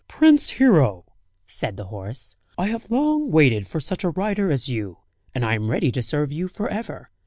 "Prince Hero!" said the horse, "I have long waited for such a rider as you, and I am ready to serve you for ever.